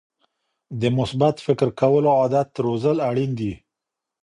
د مثبت فکر کولو عادت روزل اړین دي.